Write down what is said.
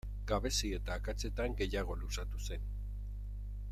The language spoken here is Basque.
Gabezi eta akatsetan gehiago luzatu zen.